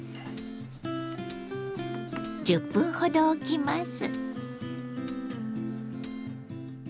１０分ほどおきます。